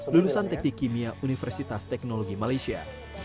lulusan teknik kimia universitas teknologi malaysia